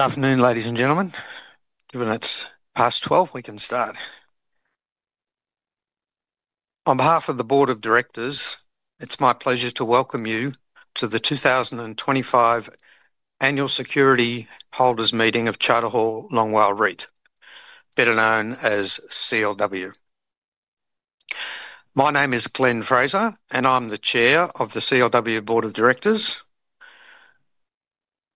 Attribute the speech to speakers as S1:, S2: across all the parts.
S1: Good afternoon, ladies and gentlemen. Given it's past 12:00 P.M., we can start. On behalf of the Board of Directors, it's my pleasure to welcome you to the 2025 Annual Security Holders Meeting of Charter Hall Long WALE REIT, better known as CLW. My name is Glenn Fraser, and I'm the Chair of the CLW Board of Directors.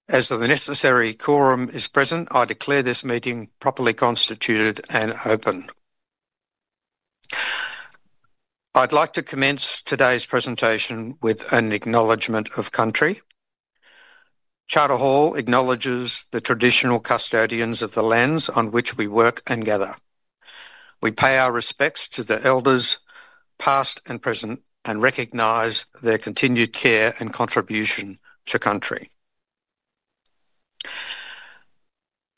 S1: As the necessary quorum is present, I declare this meeting properly constituted and open. I'd like to commence today's presentation with an Acknowledgement of Country. Charter Hall acknowledges the traditional custodians of the lands on which we work and gather. We pay our respects to the Elders, past and present, and recognize their continued care and contribution to Country.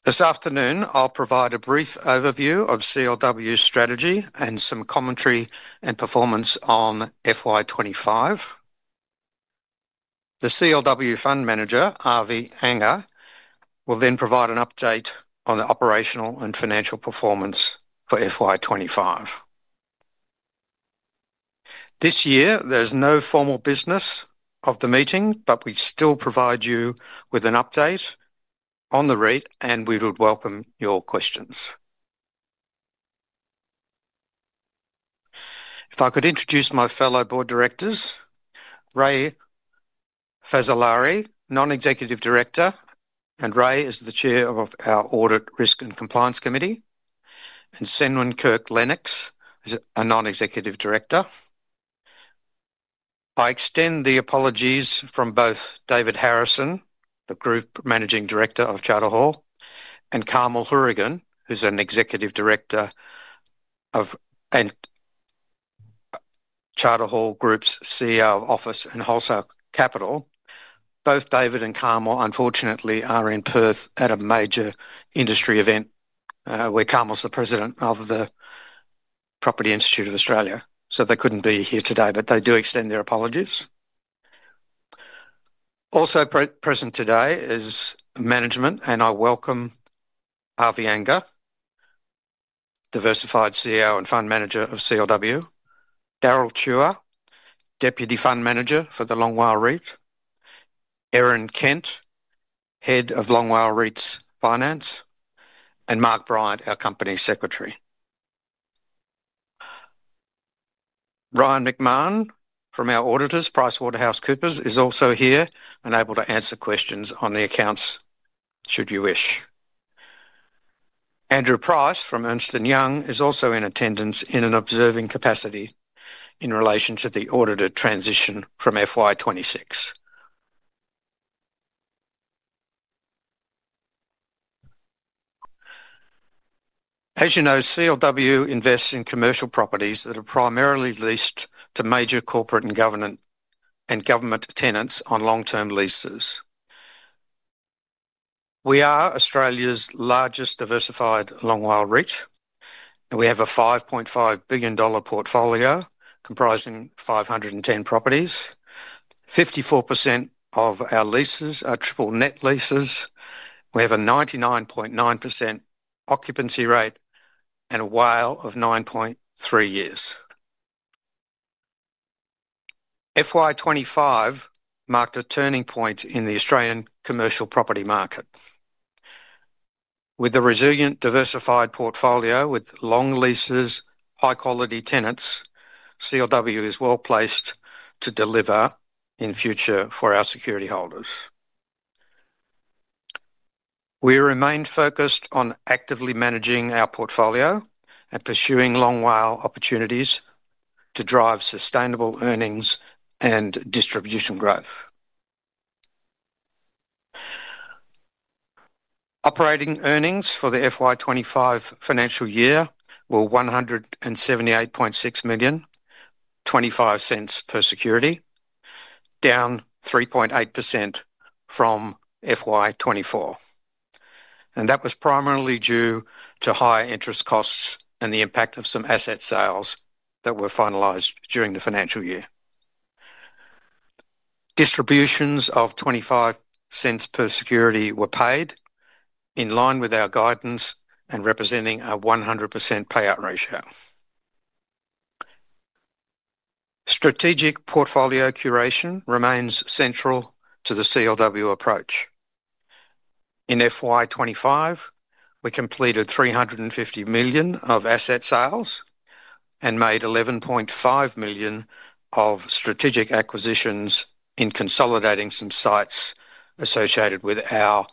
S1: This afternoon, I'll provide a brief overview of CLW's strategy and some commentary and performance on FY 2025. The CLW Fund Manager, Avi Anger, will then provide an update on the operational and financial performance for FY 2025. This year, there's no formal business of the meeting, but we still provide you with an update on the REIT, and we would welcome your questions. If I could introduce my fellow Board Directors, Ray Fazzolari, Non-Executive Director, and Ray is the Chair of our Audit, Risk and Compliance Committee, and Ceinwen Kirk-Lennox is a Non-Executive Director. I extend the apologies from both David Harrison, the Group Managing Director of Charter Hall Group, and Carmel Hourigan, who's an Executive Director of Charter Hall Group and CEO of Office and Wholesale Capital. Both David and Carmel, unfortunately, are in Perth at a major industry event where Carmel is the President of the Property Institute of Australia, so they couldn't be here today, but they do extend their apologies. Also present today is management, and I welcome Avi Anger, Diversified CEO and Fund Manager of CLW, Daryl Chua, Deputy Fund Manager for the Long WALE REIT, Erin Kent, Head of Finance for Long WALE REIT, and Mark Bryant, our Company Secretary. Brian McMahon from our auditors, PricewaterhouseCoopers, is also here and able to answer questions on the accounts should you wish. Andrew Price from Ernst & Young is also in attendance in an observing capacity in relation to the auditor transition from FY 2026. As you know, CLW invests in commercial properties that are primarily leased to major corporate and government tenants on long-term leases. We are Australia's largest diversified Long WALE REIT, and we have a 5.5 billion dollar portfolio comprising 510 properties. 54% of our leases are triple net leases. We have a 99.9% occupancy rate and a WALE of 9.3 years. FY 2025 marked a turning point in the Australian commercial property market. With a resilient diversified portfolio, with long leases, high-quality tenants, CLW is well placed to deliver in the future for our security holders. We remain focused on actively managing our portfolio and pursuing Long WALE opportunities to drive sustainable earnings and distribution growth. Operating earnings for the FY 2025 financial year were 1.78625 per security, down 3.8% from FY 2024, and that was primarily due to higher interest costs and the impact of some asset sales that were finalized during the financial year. Distributions of 0.25 per security were paid in line with our guidance and representing a 100% payout ratio. Strategic portfolio curation remains central to the CLW approach. In FY 2025, we completed 350 million of asset sales and made 11.5 million of strategic acquisitions in consolidating some sites associated with our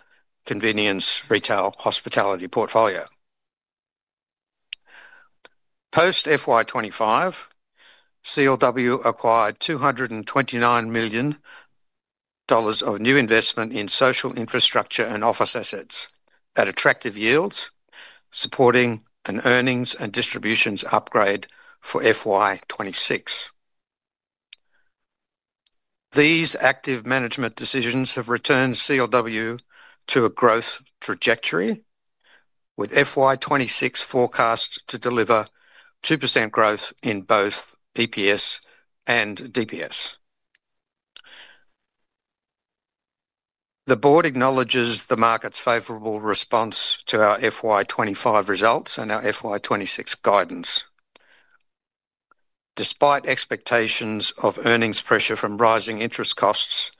S1: convenience retail hospitality portfolio. Post FY 2025, CLW acquired 229 million dollars of new investment in social infrastructure and office assets at attractive yields, supporting an earnings and distributions upgrade for FY 2026. These active management decisions have returned CLW to a growth trajectory, with FY 2026 forecast to deliver 2% growth in both EPS and DPS. The Board acknowledges the market's favourable response to our FY 2025 results and our FY 2026 guidance. Despite expectations of earnings pressure from rising interest costs,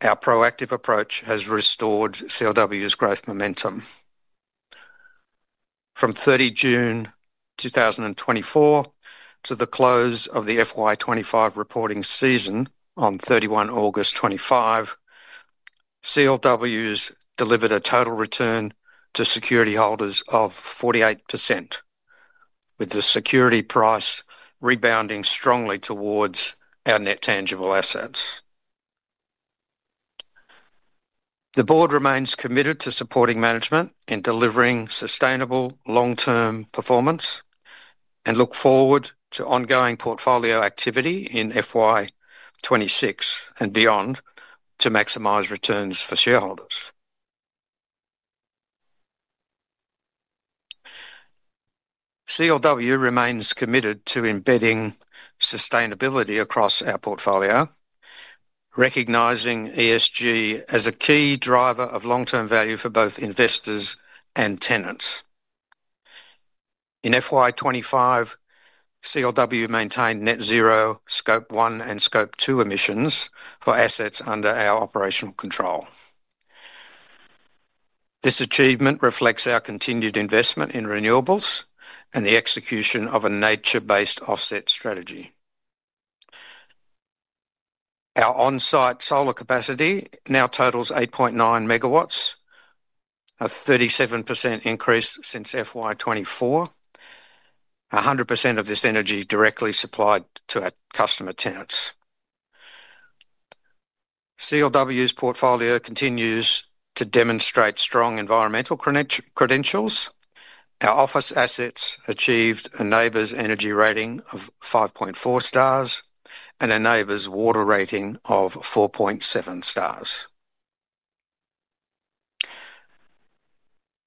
S1: our proactive approach has restored CLW's growth momentum. From 30 June, 2024 to the close of the FY 2025 reporting season on 31 August, 2025, CLW delivered a total return to security holders of 48%, with the security price rebounding strongly towards our net tangible assets. The Board remains committed to supporting management in delivering sustainable long-term performance and looks forward to ongoing portfolio activity in FY 2026 and beyond to maximize returns for shareholders. CLW remains committed to embedding sustainability across our portfolio, recognizing ESG as a key driver of long-term value for both investors and tenants. In FY 2025, CLW maintained net zero Scope 1 and Scope 2 emissions for assets under our operational control. This achievement reflects our continued investment in renewables and the execution of a nature-based offset strategy. Our on-site solar capacity now totals 8.9 megawatts, a 37% increase since FY 2024, 100% of this energy directly supplied to our customer tenants. CLW's portfolio continues to demonstrate strong environmental credentials. Our office assets achieved a NABERS energy rating of 5.4 stars and a NABERS water rating of 4.7 stars.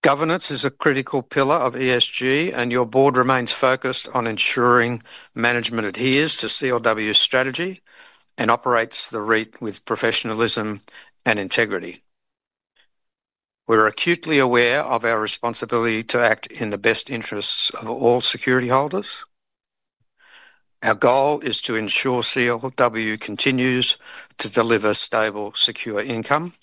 S1: Governance is a critical pillar of ESG, and your Board remains focused on ensuring management adheres to CLW's strategy and operates the REIT with professionalism and integrity. We're acutely aware of our responsibility to act in the best interests of all security holders. Our goal is to ensure CLW continues to deliver stable, secure income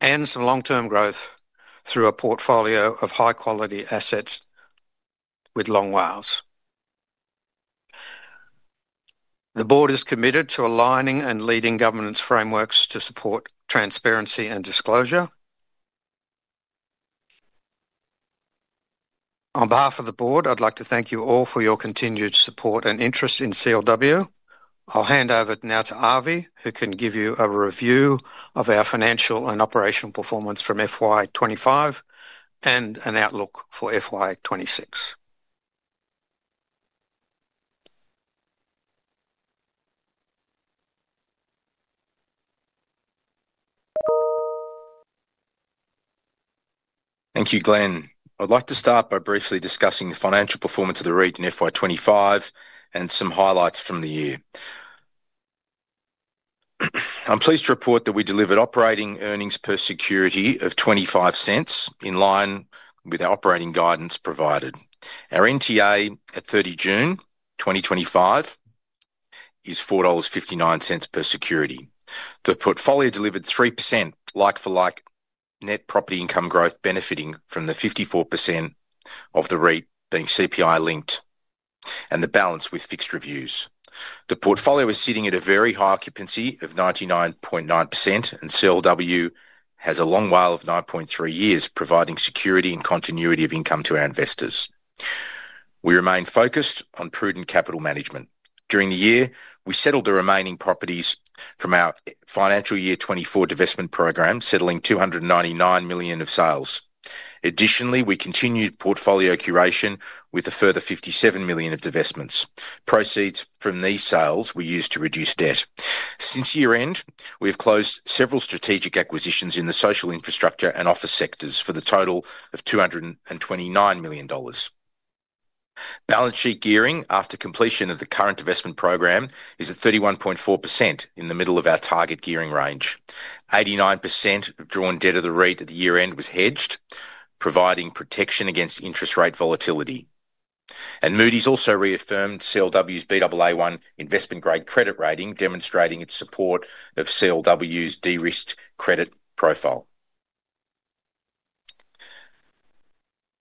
S1: and some long-term growth through a portfolio of high-quality assets with long WALEs. The Board is committed to aligning and leading governance frameworks to support transparency and disclosure. On behalf of the Board, I'd like to thank you all for your continued support and interest in CLW. I'll hand over now to Avi, who can give you a review of our financial and operational performance from FY 2025 and an outlook for FY 2026.
S2: Thank you, Glenn. I'd like to start by briefly discussing the financial performance of the REIT in FY 2025 and some highlights from the year. I'm pleased to report that we delivered operating earnings per security of 0.25 in line with our operating guidance provided. Our NTA at 30 June, 2025 is 4.59 dollars per security. The portfolio delivered 3% like-for-like net property income growth, benefiting from the 54% of the REIT being CPI linked and the balance with fixed reviews. The portfolio is sitting at a very high occupancy of 99.9%, and CLW has a long WALE of 9.3 years, providing security and continuity of income to our investors. We remain focused on prudent capital management. During the year, we settled the remaining properties from our financial year 2024 divestment program, settling 299 million of sales. Additionally, we continued portfolio curation with a further 57 million of divestments. Proceeds from these sales were used to reduce debt. Since year-end, we have closed several strategic acquisitions in the social infrastructure and office sectors for the total of 229 million dollars. Balance sheet gearing after completion of the current divestment program is at 31.4% in the middle of our target gearing range. 89% of drawn debt of the REIT at the year-end was hedged, providing protection against interest rate volatility. Moody's also reaffirmed CLW's Baa1 investment-grade credit rating, demonstrating its support of CLW's de-risked credit profile.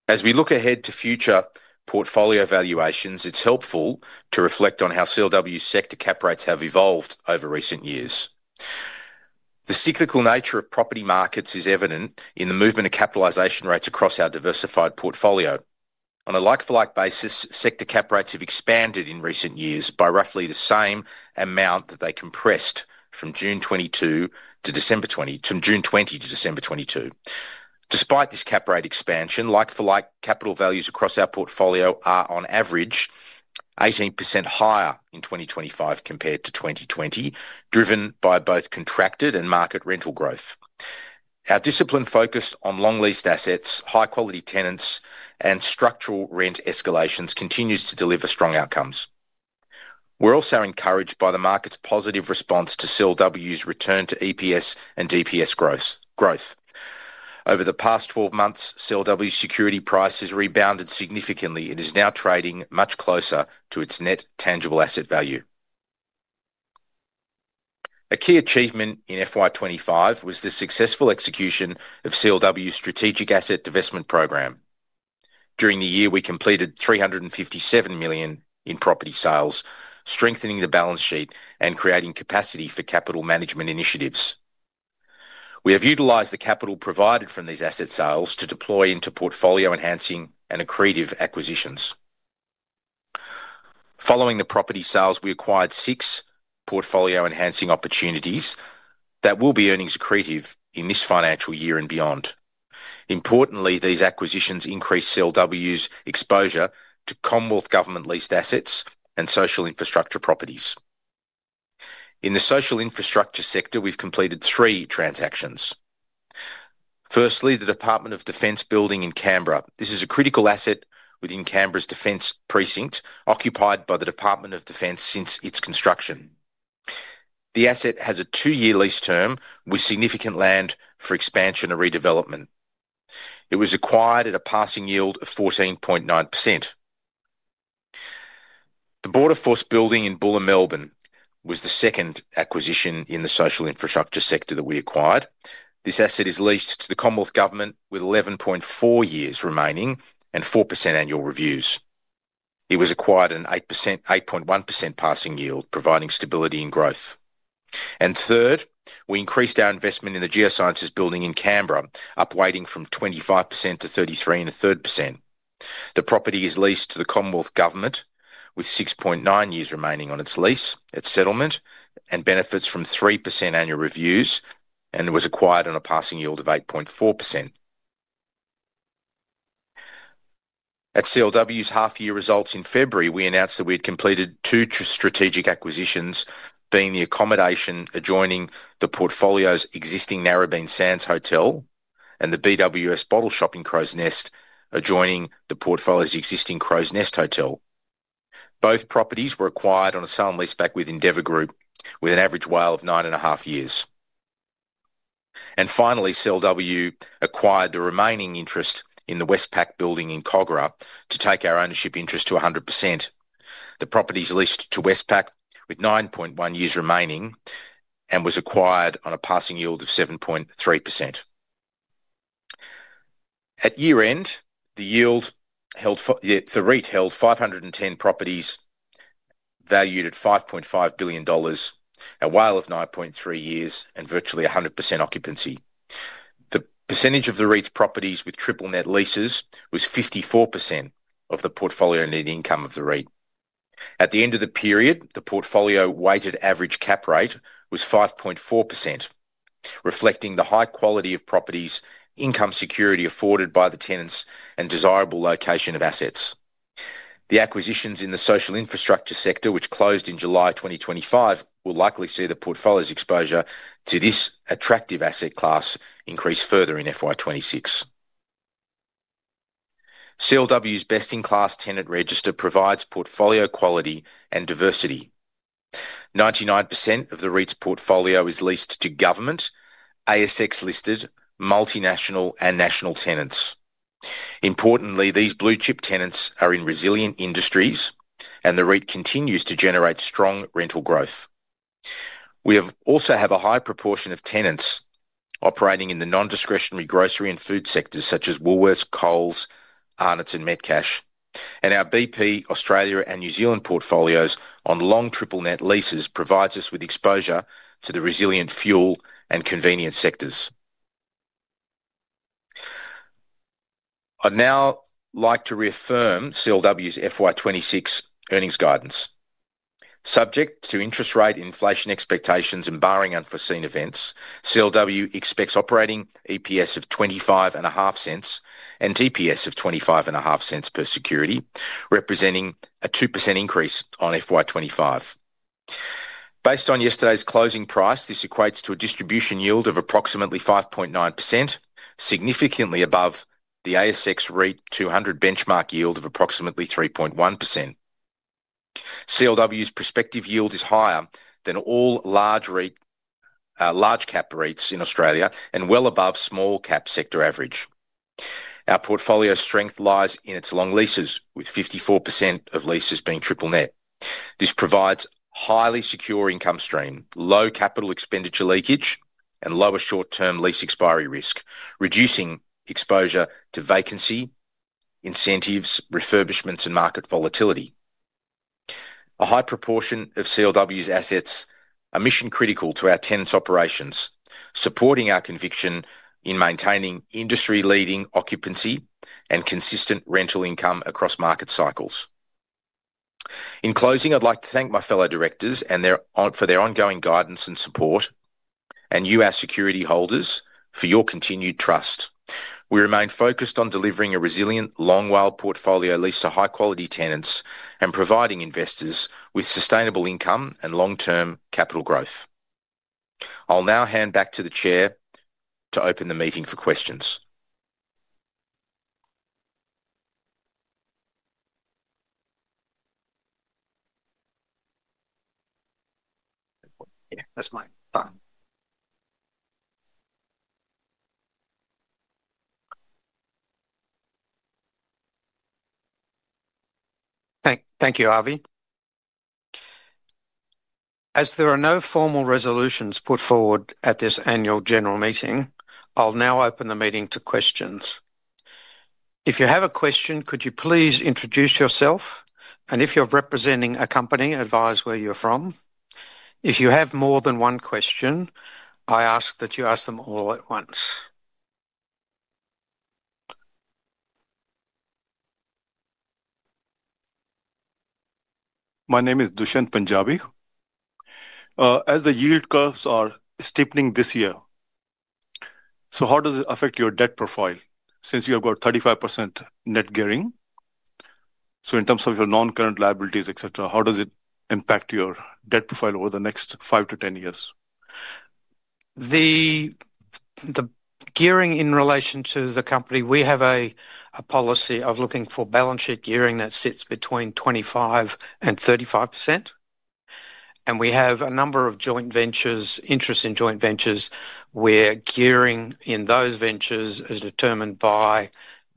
S2: As we look ahead to future portfolio valuations, it's helpful to reflect on how CLW's sector cap rates have evolved over recent years. The cyclical nature of property markets is evident in the movement of capitalization rates across our diversified portfolio. On a like-for-like basis, sector cap rates have expanded in recent years by roughly the same amount that they compressed from June 2022 to December 2022. Despite this cap rate expansion, like-for-like capital values across our portfolio are on average 18% higher in 2025 compared to 2020, driven by both contracted and market rental growth. Our discipline focused on long-leased assets, high-quality tenants, and structural rent escalations continues to deliver strong outcomes. We're also encouraged by the market's positive response to CLW's return to EPS and DPS growth. Over the past 12 months, CLW's security prices rebounded significantly and is now trading much closer to its net tangible asset value. A key achievement in FY 2025 was the successful execution of CLW's strategic asset divestment program. During the year, we completed 357 million in property sales, strengthening the balance sheet and creating capacity for capital management initiatives. We have utilized the capital provided from these asset sales to deploy into portfolio-enhancing and accretive acquisitions. Following the property sales, we acquired six portfolio-enhancing opportunities that will be earnings accretive in this financial year and beyond. Importantly, these acquisitions increased CLW's exposure to Commonwealth government-leased assets and social infrastructure properties. In the social infrastructure sector, we've completed three transactions. Firstly, the Department of Defence Building in Canberra. This is a critical asset within Canberra's defence precinct, occupied by the Department of Defence since its construction. The asset has a two-year lease term with significant land for expansion and redevelopment. It was acquired at a passing yield of 14.9%. The Border Force Building in Bulla, Melbourne was the second acquisition in the social infrastructure sector that we acquired. This asset is leased to the Commonwealth Government with 11.4 years remaining and 4% annual reviews. It was acquired at an 8.1% passing yield, providing stability and growth. Third, we increased our investment in the Geosciences Building in Canberra, upweighting from 25% to 33.5%. The property is leased to the Commonwealth Government with 6.9 years remaining on its lease at settlement and benefits from 3% annual reviews, and it was acquired on a passing yield of 8.4%. At CLW's half-year results in February, we announced that we had completed two strategic acquisitions, being the accommodation adjoining the portfolio's existing Narrabeen Sands Hotel and the BWS Bottle Shop in Crow's Nest adjoining the portfolio's existing Crow's Nest Hotel. Both properties were acquired on a sale and leaseback with Endeavour Group, with an average WALE of nine and a half years. Finally, CLW acquired the remaining interest in the Westpac Building in Cogra to take our ownership interest to 100%. The property is leased to Westpac with 9.1 years remaining and was acquired on a passing yield of 7.3%. At year-end, the REIT held 510 properties valued at 5.5 billion dollars, a WALE of 9.3 years and virtually 100% occupancy. The percentage of the REIT's properties with triple net leases was 54% of the portfolio net income of the REIT. At the end of the period, the portfolio weighted average cap rate was 5.4%, reflecting the high quality of properties, income security afforded by the tenants, and desirable location of assets. The acquisitions in the social infrastructure sector, which closed in July 2025, will likely see the portfolio's exposure to this attractive asset class increase further in FY 2026. CLW's best-in-class tenant register provides portfolio quality and diversity. 99% of the REIT's portfolio is leased to government, ASX-listed, multinational, and national tenants. Importantly, these blue-chip tenants are in resilient industries, and the REIT continues to generate strong rental growth. We also have a high proportion of tenants operating in the non-discretionary grocery and food sectors such as Woolworths, Coles, Arnott’s, and Metcash, and our BP, Australia, and New Zealand portfolios on long triple net leases provide us with exposure to the resilient fuel and convenience sectors. I'd now like to reaffirm CLW's FY 2026 earnings guidance. Subject to interest rate, inflation expectations, and barring unforeseen events, CLW expects operating EPS of 0.255 and DPS of 0.255 per security, representing a 2% increase on FY 2025. Based on yesterday's closing price, this equates to a distribution yield of approximately 5.9%, significantly above the ASX REIT 200 benchmark yield of approximately 3.1%. CLW's prospective yield is higher than all large cap REITs in Australia and well above small cap sector average. Our portfolio strength lies in its long leases, with 54% of leases being triple net. This provides a highly secure income stream, low capital expenditure leakage, and lower short-term lease expiry risk, reducing exposure to vacancy, incentives, refurbishments, and market volatility. A high proportion of CLW's assets are mission-critical to our tenants' operations, supporting our conviction in maintaining industry-leading occupancy and consistent rental income across market cycles. In closing, I'd like to thank my fellow directors for their ongoing guidance and support and you, our security holders, for your continued trust. We remain focused on delivering a resilient Long WALE portfolio leased to high-quality tenants and providing investors with sustainable income and long-term capital growth. I'll now hand back to the Chair to open the meeting for questions.
S1: Thank you, Avi. As there are no formal resolutions put forward at this annual general meeting, I'll now open the meeting to questions. If you have a question, could you please introduce yourself? If you're representing a company, advise where you're from. If you have more than one question, I ask that you ask them all at once.
S3: My name is Dushyant Punjabi. As the yield curves are steepening this year, how does it affect your debt profile since you have got 35% net gearing? In terms of your non-current liabilities, how does it impact your debt profile over the next 5 to 10 years?
S1: The gearing in relation to the company, we have a policy of looking for balance sheet gearing that sits between 25% and 35%. We have a number of joint ventures, interest in joint ventures, where gearing in those ventures is determined by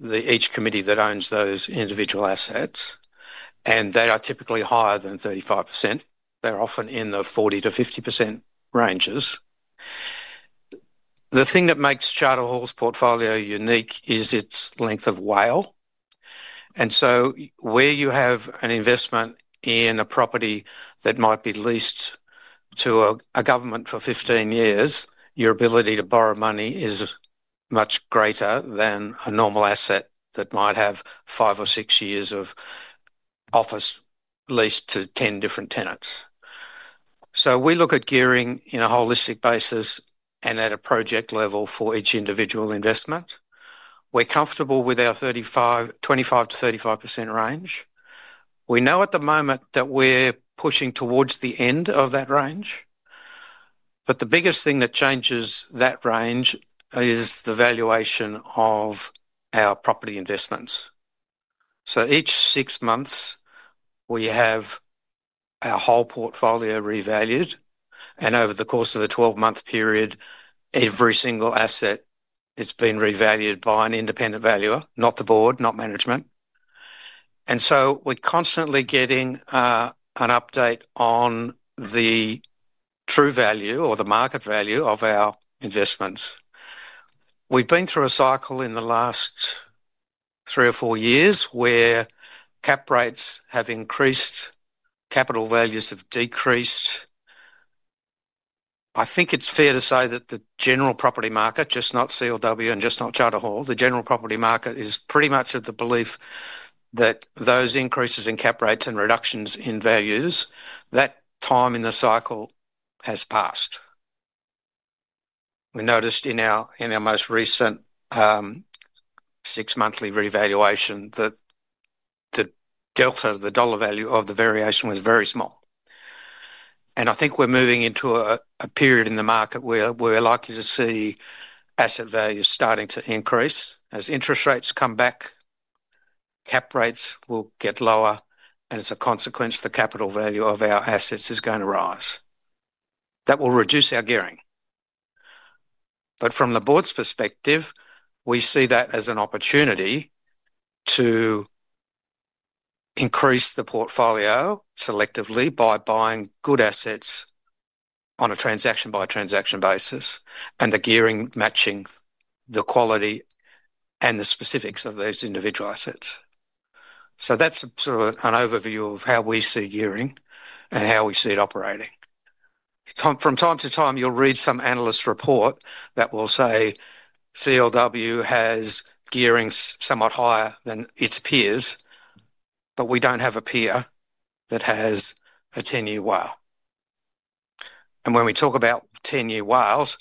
S1: each committee that owns those individual assets. They are typically higher than 35%. They're often in the 40%-50% ranges. The thing that makes Charter Hall Long's portfolio unique is its length of WALE. Where you have an investment in a property that might be leased to a government for 15 years, your ability to borrow money is much greater than a normal asset that might have five or six years of office leased to 10 different tenants. We look at gearing in a holistic basis and at a project level for each individual investment. We're comfortable with our 25%-35% range. We know at the moment that we're pushing towards the end of that range. The biggest thing that changes that range is the valuation of our property investments. Each six months, we have our whole portfolio revalued. Over the course of the 12-month period, every single asset has been revalued by an independent valuer, not the Board, not management. We're constantly getting an update on the true value or the market value of our investments. We've been through a cycle in the last three or four years where cap rates have increased, capital values have decreased. I think it's fair to say that the general property market, not just CLW and not just Charter Hall, the general property market is pretty much of the belief that those increases in cap rates and reductions in values, that time in the cycle has passed. We noticed in our most recent six-monthly revaluation that the delta of the dollar value of the variation was very small. I think we're moving into a period in the market where we're likely to see asset values starting to increase. As interest rates come back, cap rates will get lower, and as a consequence, the capital value of our assets is going to rise. That will reduce our gearing. From the Board's perspective, we see that as an opportunity to increase the portfolio selectively by buying good assets on a transaction-by-transaction basis and the gearing matching the quality and the specifics of those individual assets. That's sort of an overview of how we see gearing and how we see it operating. From time to time, you'll read some analyst report that will say CLW has gearing somewhat higher than its peers, but we don't have a peer that has a 10-year WALE. When we talk about 10-year WALEs,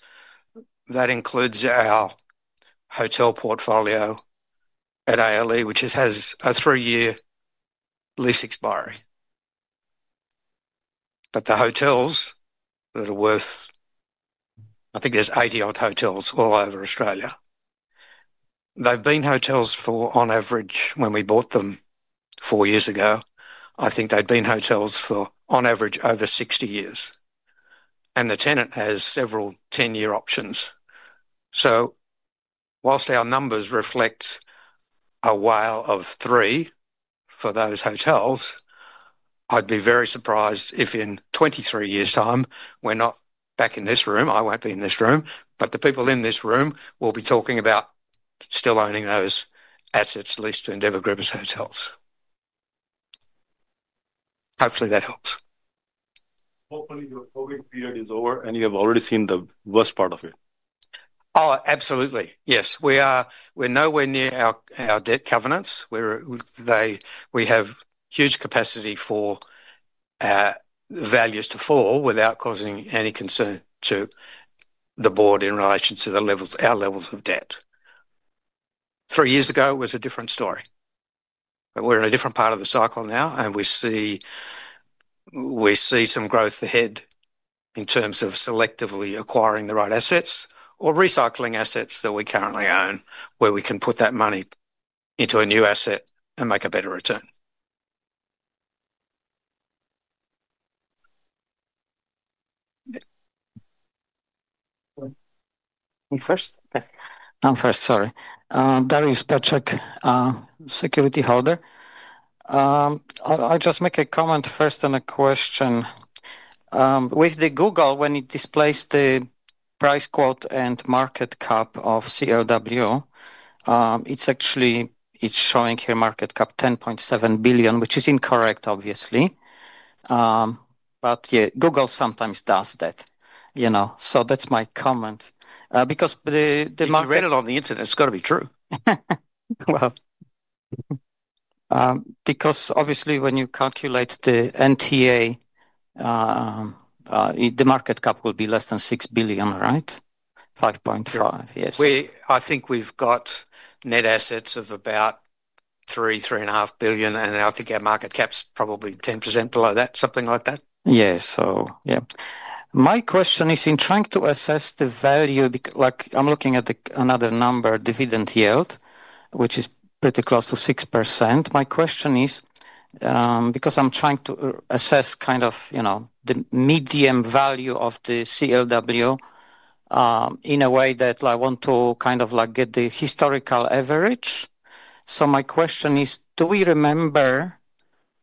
S1: that includes our hotel portfolio at ALE, which has a three-year lease expiry. The hotels that are worth, I think there's 80-odd hotels all over Australia. They've been hotels for, on average, when we bought them four years ago, I think they'd been hotels for, on average, over 60 years. The tenant has several 10-year options. Whilst our numbers reflect a WALE of three for those hotels, I'd be very surprised if in 23 years' time we're not back in this room. I won't be in this room, but the people in this room will be talking about still owning those assets leased to Endeavour Griffiths Hotels. Hopefully, that helps.
S3: Hopefully, your COVID period is over, and you have already seen the worst part of it.
S1: Oh, absolutely. Yes, we are nowhere near our debt covenants. We have huge capacity for values to fall without causing any concern to the Board in relation to our levels of debt. Three years ago, it was a different story. We are in a different part of the cycle now and we see some growth ahead in terms of selectively acquiring the right assets or recycling assets that we currently own where we can put that money into a new asset and make a better return.
S4: I'm first. I'm first, sorry. Dariusz Petrzek, security holder. I'll just make a comment first and a question. With the Google, when it displays the price quote and market cap of CLW, it's actually showing here market cap 10.7 billion, which is incorrect, obviously. Google sometimes does that. That's my comment. Because the market.
S1: If you read it on the internet, it's got to be true.
S4: Because obviously when you calculate the NTA, the market cap will be less than 6 billion, right? 5.5 billion, yes.
S1: I think we've got net assets of about 3 billion, 3.5 billion, and I think our market cap's probably 10% below that, something like that.
S4: My question is in trying to assess the value, like I'm looking at another number, dividend yield, which is pretty close to 6%. My question is, because I'm trying to assess kind of, you know, the medium value of the CLW in a way that I want to kind of like get the historical average. My question is, do we remember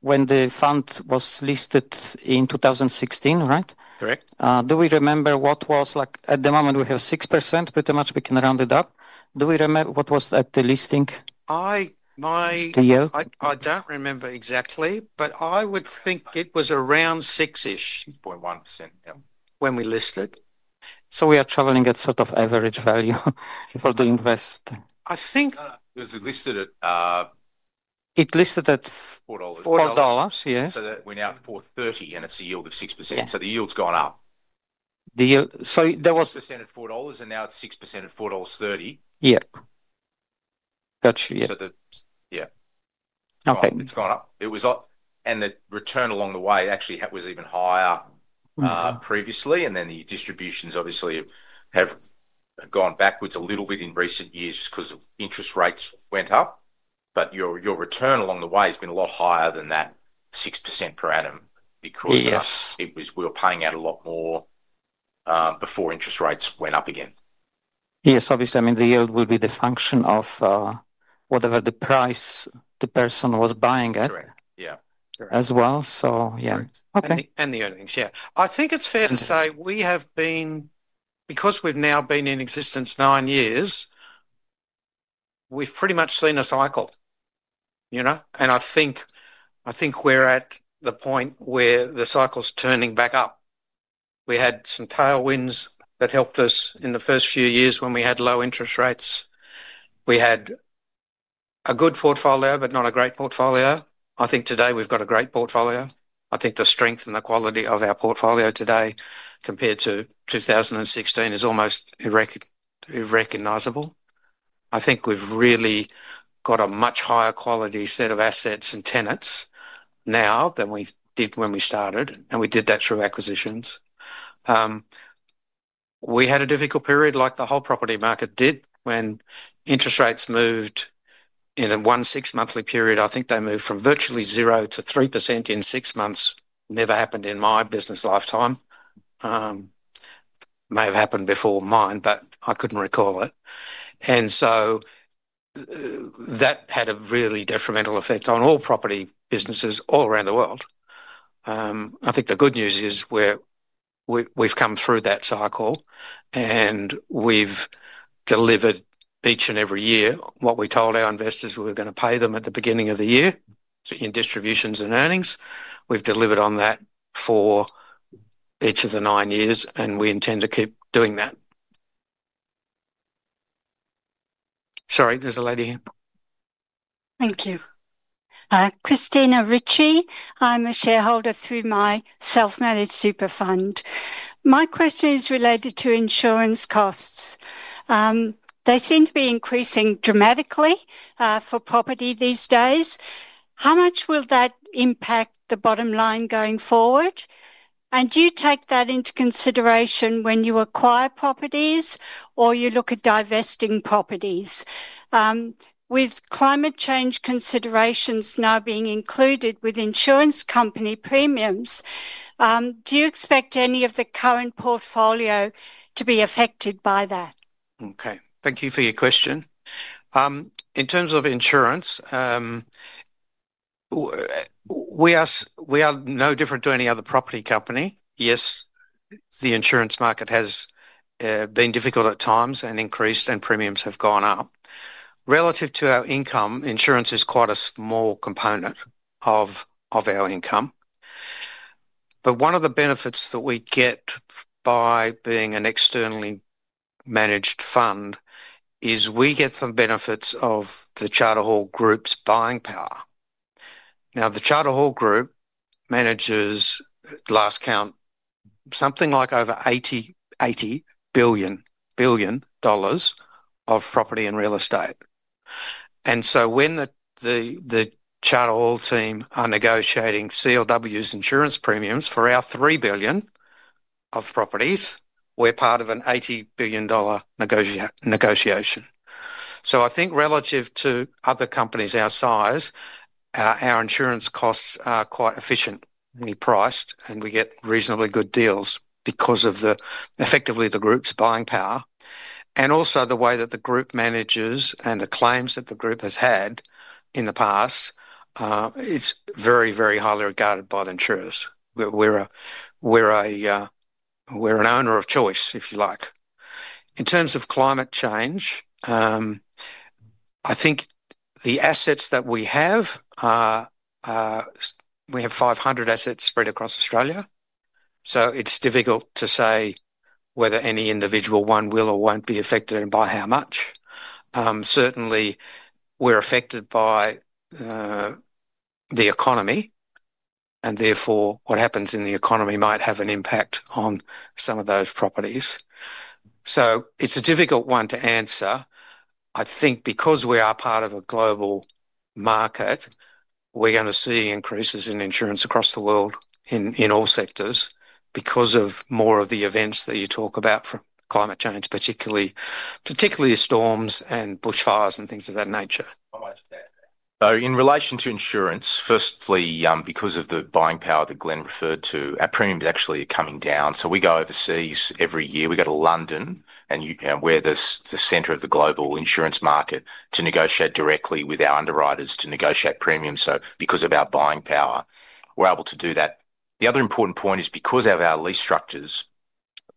S4: when the fund was listed in 2016, right?
S1: Correct.
S4: Do we remember what it was like at the moment? We have 6%, pretty much we can round it up. Do we remember what it was at the listing?
S1: I don't remember exactly, but I would think it was around 6:00.
S2: 6.1%.
S1: When we listed.
S4: We are traveling at sort of average value for the investor.
S1: I think.
S4: It listed at.
S2: It listed at. 4
S4: dollars. 4 dollars, yes.
S2: We're now at 4.30 and it's a yield of 6%. The yield's gone up.
S4: The yield, so there was.
S2: 6% at 4.00 dollars and now it's 6% at 4.30 dollars.
S4: Got you, yeah.
S2: Yeah.
S4: Okay.
S2: It's gone up. It was up, and the return along the way actually was even higher previously. The distributions obviously have gone backwards a little bit in recent years just because interest rates went up. Your return along the way has been a lot higher than that 6% per annum because we were paying out a lot more before interest rates went up again.
S4: Yes, obviously. I mean, the yield will be the function of whatever the price the person was buying at.
S2: Correct. Yeah.
S4: As well, yeah.
S1: The earnings, yeah. I think it's fair to say we have been, because we've now been in existence nine years, we've pretty much seen a cycle, you know, and I think we're at the point where the cycle's turning back up. We had some tailwinds that helped us in the first few years when we had low interest rates. We had a good portfolio, but not a great portfolio. I think today we've got a great portfolio. I think the strength and the quality of our portfolio today compared to 2016 is almost unrecognizable. I think we've really got a much higher quality set of assets and tenants now than we did when we started, and we did that through acquisitions. We had a difficult period like the whole property market did when interest rates moved in a one-six monthly period. I think they moved from virtually 0% to 3% in six months. Never happened in my business lifetime. May have happened before mine, but I couldn't recall it. That had a really detrimental effect on all property businesses all around the world. The good news is we've come through that cycle and we've delivered each and every year what we told our investors we were going to pay them at the beginning of the year in distributions and earnings. We've delivered on that for each of the nine years and we intend to keep doing that. Sorry, there's a lady here.
S5: Thank you. Christina Ritchie, I'm a shareholder through my self-managed super fund. My question is related to insurance costs. They seem to be increasing dramatically for property these days. How much will that impact the bottom line going forward? Do you take that into consideration when you acquire properties or you look at divesting properties? With climate change considerations now being included with insurance company premiums, do you expect any of the current portfolio to be affected by that?
S1: Okay, thank you for your question. In terms of insurance, we are no different to any other property company. Yes, the insurance market has been difficult at times and increased and premiums have gone up. Relative to our income, insurance is quite a small component of our income. One of the benefits that we get by being an externally managed fund is we get some benefits of the Charter Hall Group's buying power. The Charter Hall Group manages, at last count, something like over 80 billion of property and real estate. When the Charter Hall team are negotiating CLW's insurance premiums for our 3 billion of properties, we're part of an 80 billion dollar negotiation. I think relative to other companies our size, our insurance costs are quite efficiently priced and we get reasonably good deals because of the group's buying power. Also, the way that the group manages and the claims that the group has had in the past, it's very, very highly regarded by the insurers. We're an owner of choice, if you like. In terms of climate change, I think the assets that we have, we have 500 assets spread across Australia. It's difficult to say whether any individual one will or won't be affected and by how much. Certainly, we're affected by the economy and therefore what happens in the economy might have an impact on some of those properties. It's a difficult one to answer. I think because we are part of a global market, we're going to see increases in insurance across the world in all sectors because of more of the events that you talk about from climate change, particularly the storms and bushfires and things of that nature.
S2: I like that. In relation to insurance, firstly, because of the buying power that Glenn referred to, our premiums actually are coming down. We go overseas every year. We go to London, where there's the center of the global insurance market, to negotiate directly with our underwriters to negotiate premiums. Because of our buying power, we're able to do that. The other important point is because of our lease structures,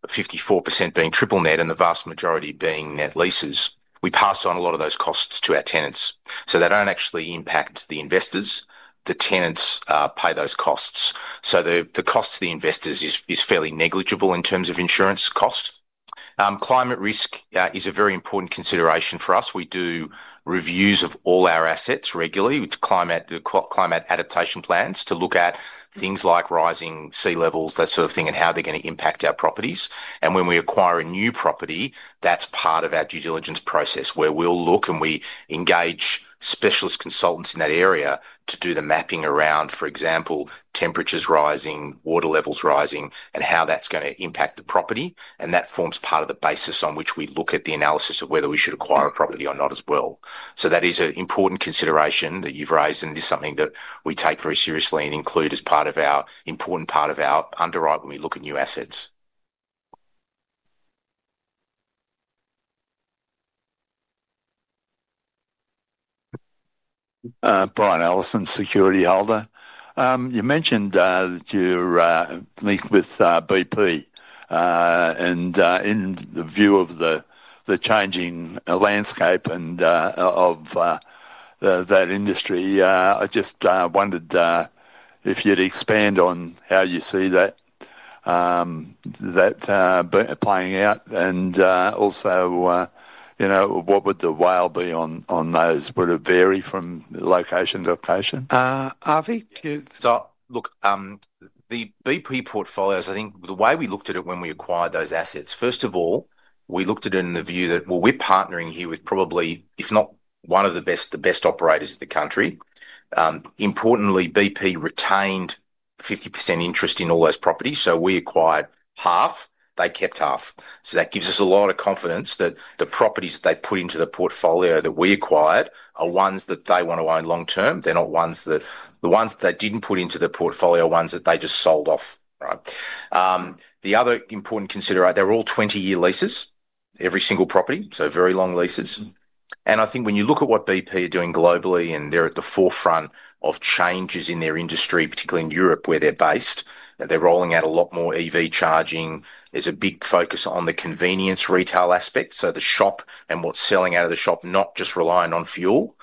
S2: 54% being triple net and the vast majority being net leases, we pass on a lot of those costs to our tenants. They don't actually impact the investors. The tenants pay those costs. The cost to the investors is fairly negligible in terms of insurance cost. Climate risk is a very important consideration for us. We do reviews of all our assets regularly with climate adaptation plans to look at things like rising sea levels, that sort of thing, and how they're going to impact our properties. When we acquire a new property, that's part of our due diligence process where we'll look and we engage specialist consultants in that area to do the mapping around, for example, temperatures rising, water levels rising, and how that's going to impact the property. That forms part of the basis on which we look at the analysis of whether we should acquire a property or not as well. That is an important consideration that you've raised and is something that we take very seriously and include as part of our important part of our underwrite when we look at new assets. You mentioned that you're linked with BP. In the view of the changing landscape and of that industry, I just wondered if you'd expand on how you see that playing out. Also, what would the WALE be on those? Would it vary from location to location?
S1: Avi, could you start?
S2: Look, the BP portfolios, I think the way we looked at it when we acquired those assets, first of all, we looked at it in the view that, we're partnering here with probably, if not one of the best operators in the country. Importantly, BP retained 50% interest in all those properties. We acquired half, they kept half. That gives us a lot of confidence that the properties that they put into the portfolio that we acquired are ones that they want to own long term. They're not ones that, the ones that they didn't put into the portfolio are ones that they just sold off. The other important consideration, they're all 20-year leases, every single property, so very long leases. I think when you look at what BP are doing globally and they're at the forefront of changes in their industry, particularly in Europe where they're based, and they're rolling out a lot more EV charging, there's a big focus on the convenience retail aspect. The shop and what's selling out of the shop, not just relying on fuel.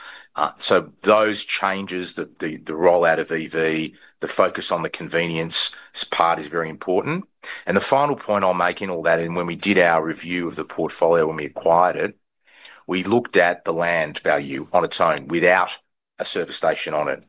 S2: Those changes, the rollout of EV, the focus on the convenience part is very important. The final point I'll make in all that, when we did our review of the portfolio when we acquired it, we looked at the land value on its own without a service station on it.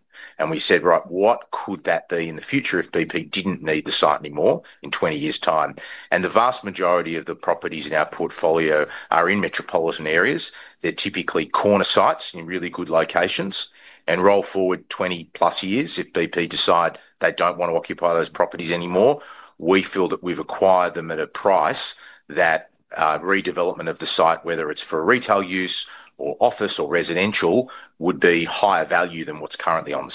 S2: We said, right, what could that be in the future if BP didn't need the site anymore in 20 years' time? The vast majority of the properties in our portfolio are in metropolitan areas. They're typically corner sites in really good locations. Roll forward 20+ years, if BP decide they don't want to occupy those properties anymore, we feel that we've acquired them at a price that redevelopment of the site, whether it's for retail use or office or residential, would be higher value than what's currently on the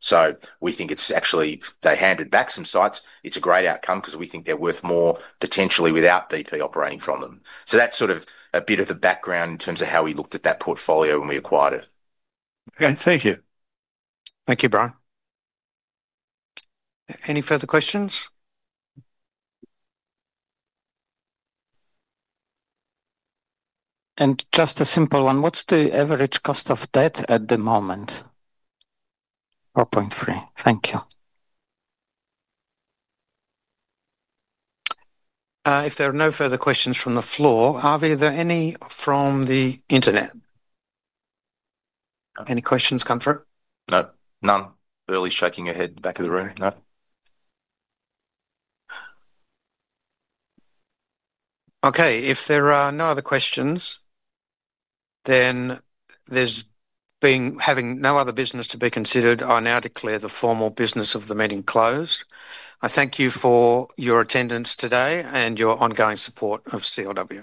S2: site. We think it's actually, they handed back some sites. It's a great outcome because we think they're worth more potentially without BP operating from them. That's sort of a bit of the background in terms of how we looked at that portfolio when we acquired it. Okay, thank you. Thank you, Brian.
S1: Any further questions? What's the average cost of debt at the moment? AUD 4.3%. Thank you. If there are no further questions from the floor, Avi, are there any from the internet? Any questions come through?
S2: No, none. Early shaking ahead in the back of the room, no.
S1: Okay, if there are no other questions, then having no other business to be considered, I now declare the formal business of the meeting closed. I thank you for your attendance today and your ongoing support of CLW.